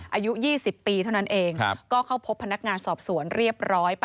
อายุ๒๐ปีเท่านั้นเองก็เข้าพบพนักงานสอบสวนเรียบร้อย